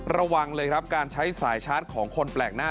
ระวังเลยครับการใช้สายชาร์จของคนแปลกหน้า